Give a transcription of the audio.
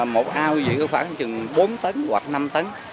một áo như vậy có khoảng chừng bốn tấn hoặc năm tấn